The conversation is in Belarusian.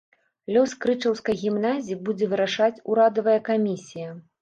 Лёс крычаўскай гімназіі будзе вырашаць ўрадавая камісія.